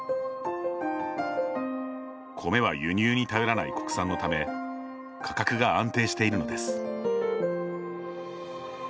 米は輸入に頼らない国産のため価格が安定しているのです。